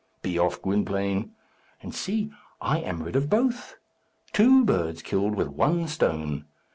Be off, Gwynplaine; and, see, I am rid of both! Two birds killed with one stone.